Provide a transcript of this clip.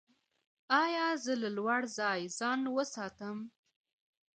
ایا له لوړ ځای ځان وساتم؟